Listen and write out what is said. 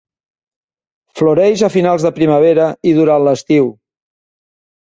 Floreix a finals de primavera i durant l'estiu.